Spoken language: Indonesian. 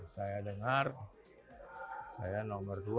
saya dengar saya nomor dua